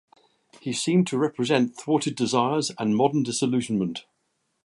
He seemed to represent thwarted desires and modern disillusionment.